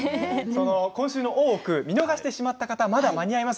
今週の「大奥」見逃してしまった方まだ間に合います。